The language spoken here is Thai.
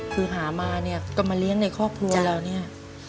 คือหามาเนี่ยก็มาเลี้ยงในครอบครัวเราเนี่ย